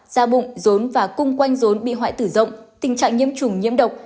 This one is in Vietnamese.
da bụng rốn và cung quanh rốn bị hoại tử rộng tình trạng nhiễm trùng nhiễm độc